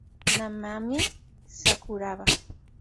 Nanami Sakuraba